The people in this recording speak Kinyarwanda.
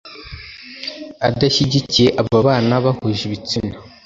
adashyigikiye ababana bahuje ibitsina